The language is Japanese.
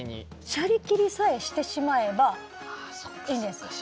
しゃり切りさえしてしまえばいいんです。